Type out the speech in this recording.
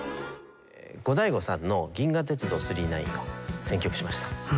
ゴダイゴさんの『銀河鉄道９９９』を選曲しました。